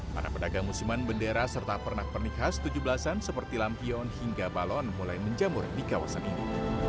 para pedagang musiman bendera serta pernak pernik khas tujuh belas an seperti lampion hingga balon mulai menjamur di kawasan ini